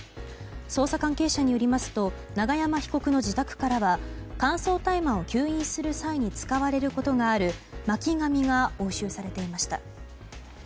捜査関係者によりますと永山被告の自宅からは乾燥大麻を吸引する際に使われることがある巻紙が押収されていました。